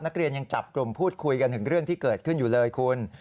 นักเรียนยังจับกลุ่มพูดคุยกันถึงเรื่องที่เกิดขึ้นอยู่เลยคุณ